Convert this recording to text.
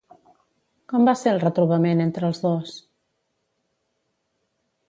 Com va ser el retrobament entre els dos?